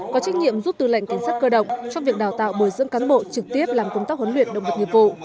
có trách nhiệm giúp tư lệnh cảnh sát cơ động trong việc đào tạo bồi dưỡng cán bộ trực tiếp làm công tác huấn luyện động vật nghiệp vụ